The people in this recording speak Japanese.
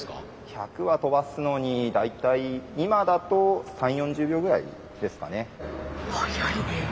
１００羽飛ばすのに大体今だと３０４０秒ぐらいですかね。